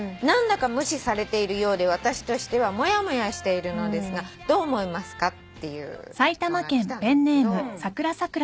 「何だか無視されているようで私としてはモヤモヤしているのですがどう思いますか」っていうのが来たんですけど。